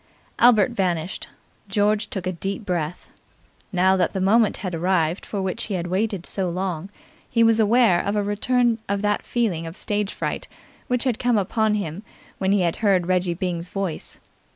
Albert vanished. George took a deep breath. Now that the moment had arrived for which he had waited so long he was aware of a return of that feeling of stage fright which had come upon him when he heard Reggie Byng's voice.